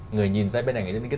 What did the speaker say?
người nhìn ra bên này